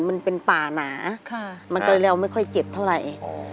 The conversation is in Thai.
มันเป็นป่าหนามันก็เลยแล้วไม่ค่อยเจ็บเท่าไหร่